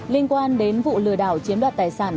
liên quan đến vụ lừa đảo chiếm đoạt tài sản